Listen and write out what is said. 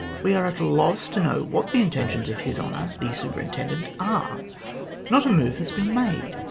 We are at a loss to know what the intentions of His Honour the Superintendent are. Not a move has been made.